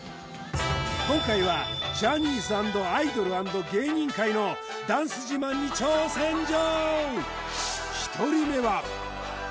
今回はジャニーズ＆アイドル＆芸人界のダンス自慢に挑戦状！